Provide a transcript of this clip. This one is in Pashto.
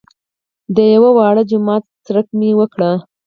د یوه واړه جومات څرک مې وکړ.